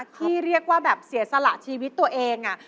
ที่เรียกว่าแบบเสียสละชีวิตตัวเอง